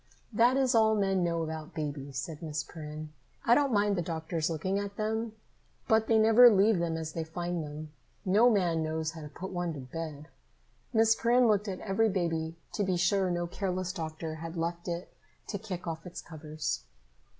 "That is all men know about babies," said Miss Perrin. "I don't mind the doctors looking at them, but they never leave them as they find them. No man knows how to put one to bed." Miss Perrin looked at every baby to be sure no careless doctor had left it to kick off its covers.